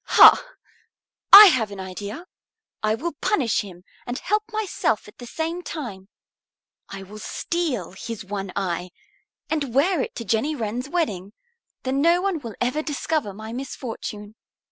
Ha! I have an idea. I will punish him and help myself at the same time. I will steal his one eye and wear it to Jenny Wren's wedding; then no one will ever discover my misfortune."